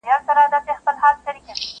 خدایه اوس به چاته ورسو له هرچا څخه لار ورکه!